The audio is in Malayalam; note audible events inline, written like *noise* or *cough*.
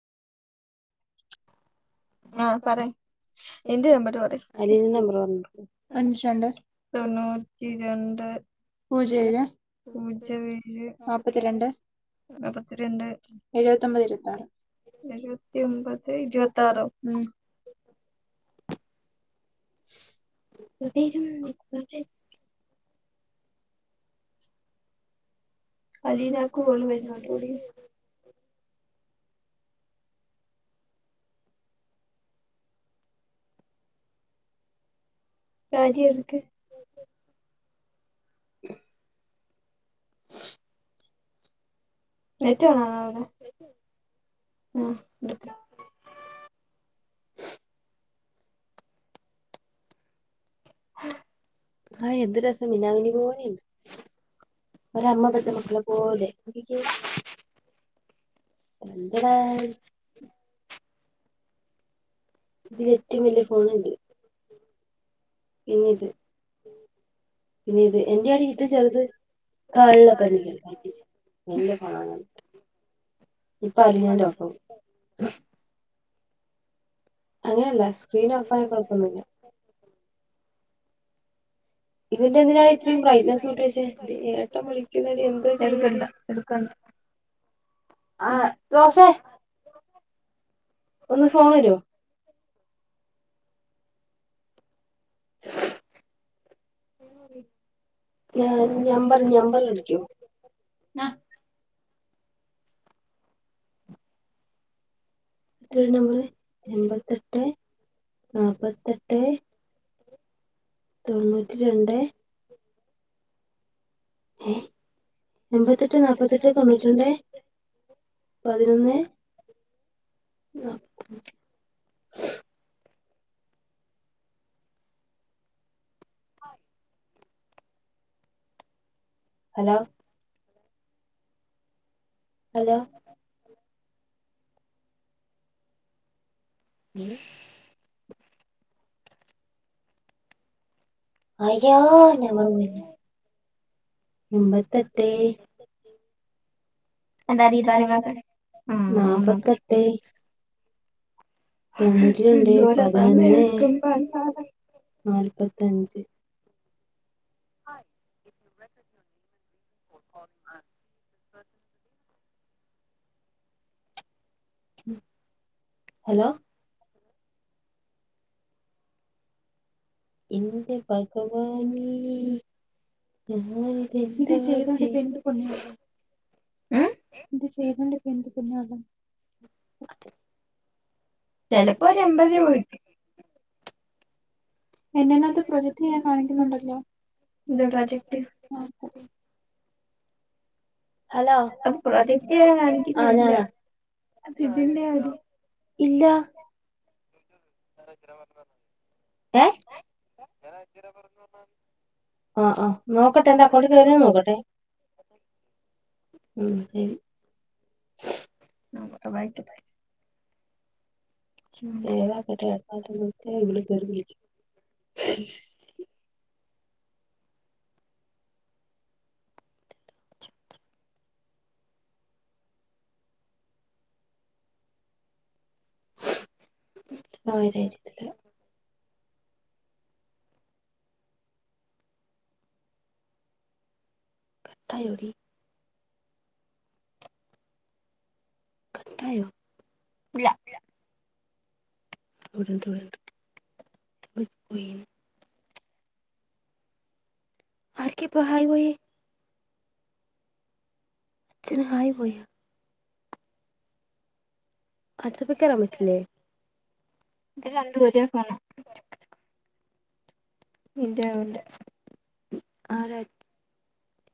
ആഹ് പറയ് നിന്റെ നമ്പറ് പറയ് അനീലന്റെ നമ്പർ പറഞ്ഞൊട്ക്ക് അഞ്ച് രണ്ട് തൊണ്ണൂറ്റി രണ്ട് പൂജ്യം ഏഴ് പൂജ്യം ഏഴ് നാല്പ്പത്തിരണ്ട് നാപ്പത്തിരണ്ട് എഴുവത്തി ഒമ്പതേ ഇരുപത്തി ആറ് ഉം *unintelligible* അലീനാക്ക് കോളു വരുന്നൊണ്ടോടി കാര്യം എട്ത്തേ *inaudible* *inaudible* നെറ്റ് ഓണാണൊ അവടെ ഉം അതെ ആയി എന്ത് രസം മിന്നാമന്ങ്ങ് പോലെയിണ്ട് ഒരമ്മ പെറ്റ മക്കളെ പോലെ *unintelligible* ഇതില ഏറ്റവും വലിയ ഫോണ ഇത് പിന്നിത് പിന്നെ ഇത് എന്റെ ആടി ഏറ്റവും ചെറുത് കള്ള പനിക പറ്റിച്ചു വല്യ ഫോണാന്ന് പറഞ്ഞ് ഇപ്പൊ അലഞ്ഞണ്ടോപ്പും അങ്ങനെയല്ല സ്ക്രീൻ ഒഫ് ആയ കുഴപ്പൊന്നില്ല ഇവന്റെ എന്തിനാണ് ഇത്രയും ബ്റയിറ്റ്നസ്സ് കൂട്ടി വെച്ചേ ഏട്ടൻ വിളിക്കുന്നടി എന്തോ ചെയ്യും എടുക്കണ്ട എടുക്കണ്ട *inaudible* ആഹ് ദോസെ ഒന്ന് ഫോൺ തരുവോ *inaudible* *unintelligible* ഞമ്പർ ഞമ്പറടിക്കോ ഇത്ര നമ്പർ എൺമ്പത്തെട്ടെ നാപത്തെട്ടെ തൊണ്ണൂറ്റി രണ്ടെ ഏഹ് എൺമ്പത്തെട്ടെ നാല്പത്തെട്ടെ തൊണ്ണൂറ്റി രണ്ടേ പതിനൊന്നെ *unintelligible* ഹലോ ഹലോ *inaudible* അയ്യോന്നും പറഞ്ഞ്. എമ്പത്തെട്ടെ- എന്താടീതനങ്ങാത്തെ ഉം നാപ്പത്തെട്ടെ- തൊണ്ണൂറ്റി രണ്ടെ പതിനൊന്നെ നാല്പത്തഞ്ച്. ആഹ് *unintelligible* ഹലോ ഇൻ്റെ ഭഗവാനേ ഞാനിതെന്താ *unintelligible* ചെയ ഉം ഇത് ചെയ്തണ്ടക്കെ എന്ത് പുണ്ണ്യള്ളെ. ചെലപ്പോ ഒരു എമ്പത് രൂപ കി എൻ്റെനാത്ത് പ്രൊജക്ട് ഈനെ കാണിക്കുന്നുണ്ടല്ലോ എന്ത് പ്രോജക്ട് ആ. ഹലോ അത് പ്രോജക്റ്റ് *unintelligible* അത് ഇതിന്റെ അടി ഇല്ല. ഏഹ് ആഹ് ആഹ് നോക്കട്ടെ എന്റെ അക്കൗണ്ടി കേറിയൊന്നൊക്കട്ടെ ഉം ശെരി *unintelligible* *unintelligible* *inaudible* ഓരെഴ്ച്ചത്തേ കട്ടാ യോടി കട്ടായോ? ഇല്ല. *unintelligible* ആർക്കെപ്പോ ഹായി പൊയെ? ചിന് ഹായി പോയി വാട്സപ്പികെറാൻപറ്റില്ലേ. ഇത് രണ്ടുരേസമയ ഇന്റേഓന്റേ ആരാ